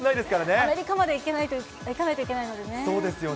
アメリカまで行かないといけそうですよね。